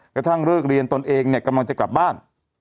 กระทั่งเลิกเรียนตนเองเนี่ยกำลังจะกลับบ้าน